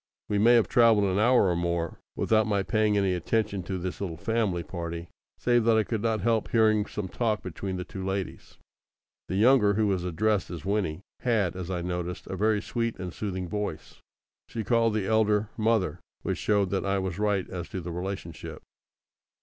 We may have travelled an hour or more without my paying any attention to this little family party, save that I could not help hearing some talk between the two ladies. The younger, who was addressed as Winnie, had, as I noticed, a very sweet and soothing voice. She called the elder "mother," which showed that I was right as to the relationship.